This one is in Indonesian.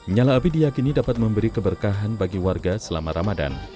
nyala api diakini dapat memberi keberkahan bagi warga selama ramadan